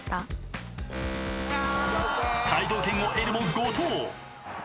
［解答権を得るも誤答］